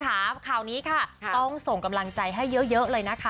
ข่าวนี้ค่ะต้องส่งกำลังใจให้เยอะเลยนะคะ